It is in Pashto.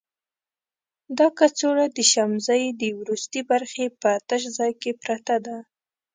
دا کڅوړه د شمزۍ د وروستي برخې په تش ځای کې پرته ده.